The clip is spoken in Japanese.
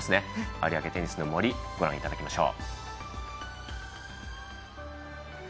有明テニスの森からご覧いただきましょう。